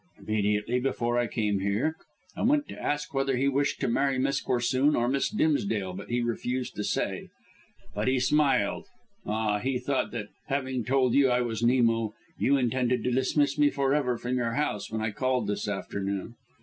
"Immediately before I came here. I went to ask whether he wished to marry Miss Corsoon or Miss Dimsdale, but he refused to say. But he smiled ah! he thought that, having told you I was Nemo, you intended to dismiss me for ever from your house when I called this afternoon."